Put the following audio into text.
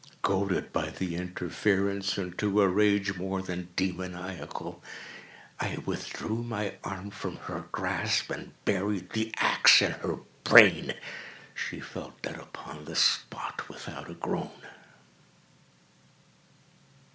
Goaded, by the interference, into a rage more than demoniacal, I withdrew my arm from her grasp and buried the axe in her brain. She fell dead upon the spot, without a groan.